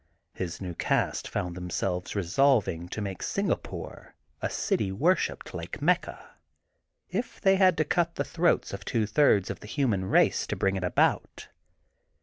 His new caste found themselves resolving to make Singapore a city wor f THE GOI DEN BOOK OF SPRINGFIELD 288 shipped like Mecca, if they had to cut the throats of two thirds of the hnman race to bring it about.